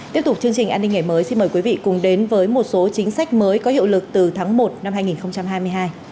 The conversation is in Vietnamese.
tiếp tục chương trình an ninh ngày mới xin mời quý vị cùng đến với một số chính sách mới có hiệu lực từ tháng một năm hai nghìn hai mươi hai